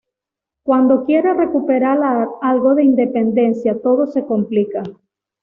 Cuando quiere recuperar algo de independencia, todo se complica.